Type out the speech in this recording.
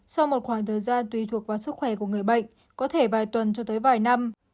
sau một khoảng thời gian tùy thuộc vào sức khỏe của người bệnh có thể vài tuần cho tới vài năm